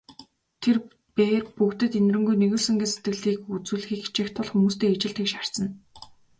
Тэр бээр бүгдэд энэрэнгүй, нигүүлсэнгүй сэтгэлийг үзүүлэхийг хичээх тул хүмүүстэй ижил тэгш харьцана.